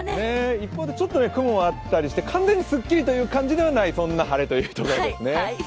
一方でちょっと雲があったりして、完全にすっきりではない、そんな晴れというところですね。